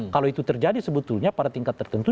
kalau itu terjadi sebetulnya pada tingkat tertentu